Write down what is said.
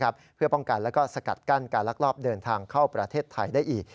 เพื่อป้องกันและสกัดกั้นการลักลอบเดินทางเข้าประเทศไทยได้อีก